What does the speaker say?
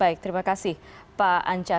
baik terima kasih pak anca